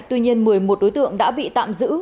tuy nhiên một mươi một đối tượng đã bị tạm giữ